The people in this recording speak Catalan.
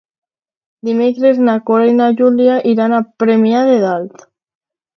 Dimecres na Cora i na Júlia iran a Premià de Dalt.